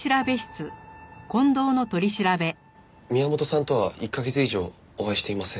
宮本さんとは１カ月以上お会いしていません。